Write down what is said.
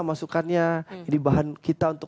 masukannya jadi bahan kita untuk